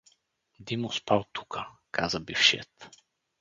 — Димо спал тука — каза Бившият.